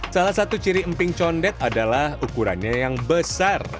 salah satu ciri emping condet adalah ukurannya yang besar